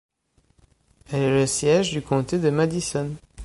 Elle est le siège du comté de Madison.